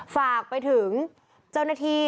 ฝากไปถึงเจ้าหน้าที่